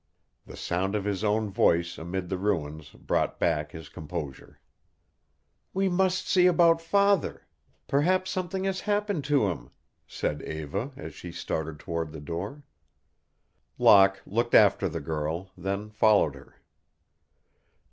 The sound of his own voice amid the ruins brought back his composure. "We must see about father. Perhaps something has happened to him," said Eva, as she started toward the door. Locke looked after the girl, then followed her.